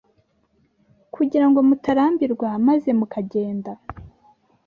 kugira ngo mutarambirwa maze mukagenda